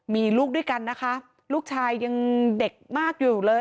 มีลูกด้วยกันนะคะลูกชายยังเด็กมากอยู่เลย